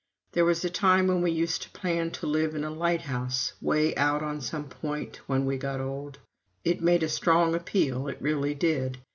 There was a time when we used to plan to live in a lighthouse, way out on some point, when we got old. It made a strong appeal, it really did.